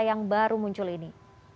yang baru muncul ini